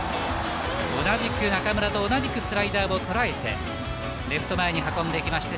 同じく中村と同じくスライダーを捉えてレフト前に運んでいきました。